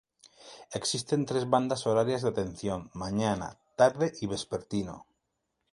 Existen tres bandas horarias de atención, mañana, tarde y vespertino.